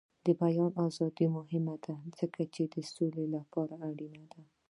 د بیان ازادي مهمه ده ځکه چې د سولې لپاره اړینه ده.